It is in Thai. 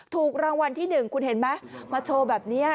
ถูกรางวัลที่๑คุณเห็นไหมมาโชว์แบบนี้